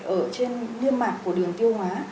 ở trên liên mạc của đường tiêu hóa